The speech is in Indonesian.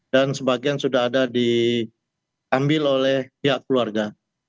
dan sebagian sudah ada diambil oleh pihak keluarga